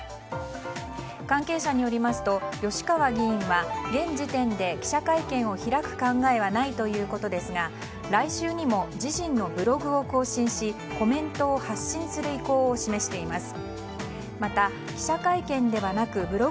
関係者によりますと吉川議員は現時点で記者会見を開く考えはないということですが来週にも自身のブログを更新しコメントを発信する意向を示しています。